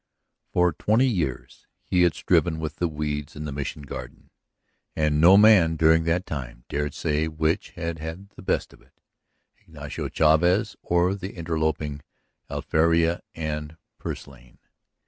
For twenty years he had striven with the weeds in the Mission garden, and no man during that time dared say which had had the best of it, Ignacio Chavez or the interloping alfileria and purslane.